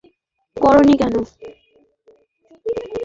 যাতে এতই ভয় পাচ্ছ আম্মি আর আব্বার জন্য অপেক্ষা করো নি কেন?